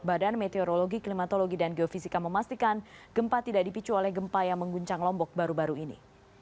badan meteorologi klimatologi dan geofisika memastikan gempa tidak dipicu oleh gempa yang mengguncang lombok baru baru ini